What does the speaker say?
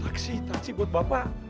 taksi taksi buat bapak